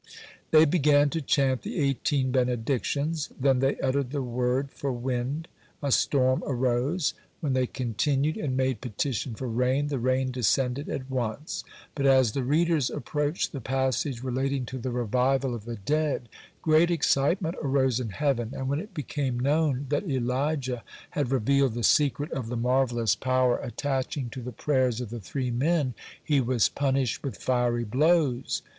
They began to chant the Eighteen Benedictions. Then they uttered the word for wind, a storm arose; when they continued and made petition for rain, the rain descended at once. But as the readers approached the passage relating to the revival of the dead, great excitement arose in heaven, and when it became known that Elijah had revealed the secret of the marvellous power attaching to the prayers of the three men, he was punished with fiery blows.